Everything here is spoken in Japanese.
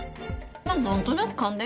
まあなんとなく勘で。